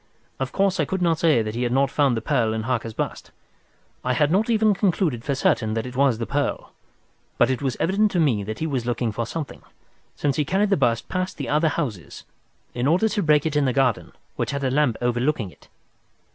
Of course, I could not say that he had not found the pearl in Harker's bust. I had not even concluded for certain that it was the pearl, but it was evident to me that he was looking for something, since he carried the bust past the other houses in order to break it in the garden which had a lamp overlooking it.